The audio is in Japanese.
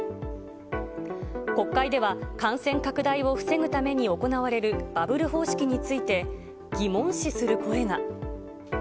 国会では感染拡大を防ぐために行われるバブル方式について、疑問視する声が。